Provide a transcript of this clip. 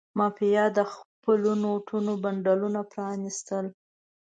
مافیا د خپلو نوټونو بنډلونه پرانستل.